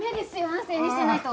安静にしてないと。